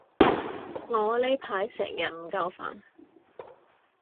我呢排成日唔夠瞓